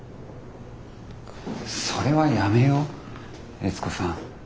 それはやめよう悦子さん。